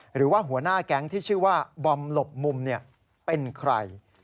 หรือว่าหัวหน้าแก๊งที่ชื่อว่าบอมหลบมุมเป็นใคร